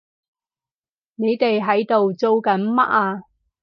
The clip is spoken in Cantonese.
你哋喺度做緊乜啊？